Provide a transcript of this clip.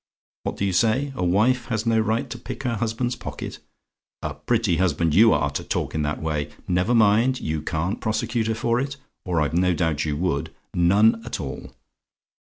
"What do you say? "A WIFE HAS NO RIGHT TO PICK HER HUSBAND'S POCKET? "A pretty husband you are, to talk in that way! Never mind: you can't prosecute her for it or I've no doubt you would; none at all.